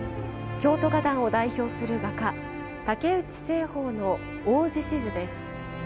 京都画壇を代表する画家竹内栖鳳の「大獅子図」です。